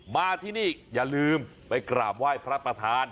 มาที่นี่อย่าลืมไปกราบไหว้พระประธาน